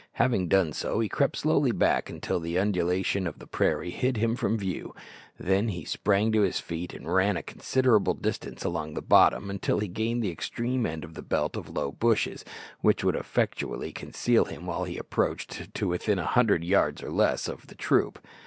Having done so he crept slowly back until the undulation of the prairie hid him from view; then he sprang to his feet, and ran a considerable distance along the bottom until he gained the extreme end of a belt of low bushes, which would effectually conceal him while he approached to within a hundred yards or less of the troop.